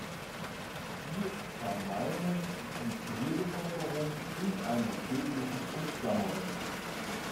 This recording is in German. Sie zermalmen die Zivilbevölkerung in einer tödlichen Umklammerung.